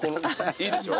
いいでしょ。